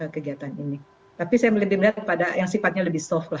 kegiatan ini tapi saya lebih melihat pada yang sifatnya lebih soft lah